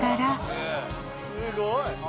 すごい！